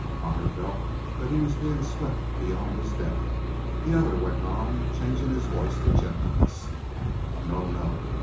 Connor felt that he was being swept beyond his depth. The other went on, changing his voice to gentleness: "No, no!